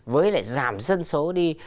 với lại giảm dân số đi